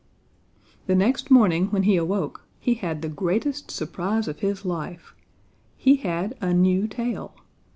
"The next morning when he awoke, he had the greatest surprise of his life. He had a new tail!